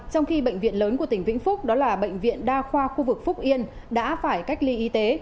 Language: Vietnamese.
trong khi bệnh viện lớn của tỉnh vĩnh phúc đó là bệnh viện đa khoa khu vực phúc yên đã phải cách ly y tế